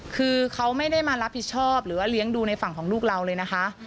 คือเขาไม่ได้มารับผิดชอบหรือว่าเลี้ยงดูในฝั่งของลูกเราเลยนะคะ